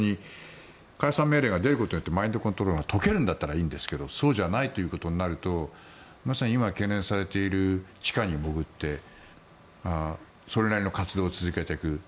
解散命令が出ることでマインドコントロールが解けるんだったらいいですけどそうじゃないということになるとまさに今、懸念されている地下に潜ってそれなりの活動を続けていく。